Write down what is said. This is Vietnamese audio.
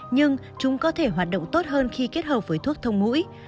nhưng chúng có thể hoạt động tốt hơn khi kết hợp với thuốc thông mũi